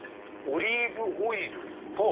「オリーブオイルと」。